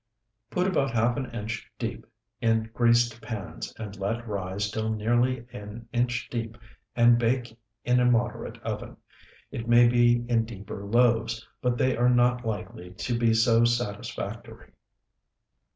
Put about half an inch deep in greased pans, and let rise till nearly an inch deep and bake in a moderate oven. It may be in deeper loaves, but they are not likely to be so satisfactory.